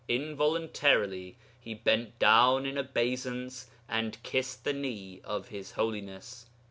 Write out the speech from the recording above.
'Involuntarily he bent down in obeisance and kissed the knee of His Holiness.'